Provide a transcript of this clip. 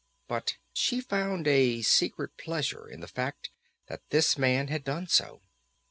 But she found a secret pleasure in the fact that this man had done so.